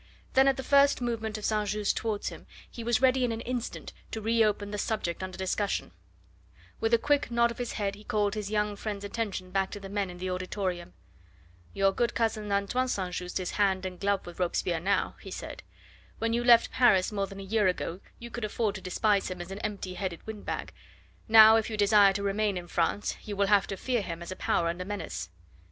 Then at the first movement of St. Just towards him he was ready in an instant to re open the subject under discussion. With a quick nod of his head he called his young friend's attention back to the men in the auditorium. "Your good cousin Antoine St. Just is hand and glove with Robespierre now," he said. "When you left Paris more than a year ago you could afford to despise him as an empty headed windbag; now, if you desire to remain in France, you will have to fear him as a power and a menace."